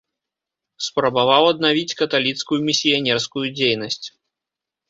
Спрабаваў аднавіць каталіцкую місіянерскую дзейнасць.